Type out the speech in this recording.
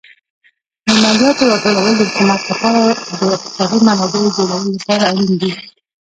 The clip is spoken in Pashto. د مالیاتو راټولول د حکومت لپاره د اقتصادي منابعو جوړولو لپاره اړین دي.